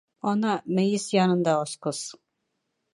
Ана, мейес янында асҡыс.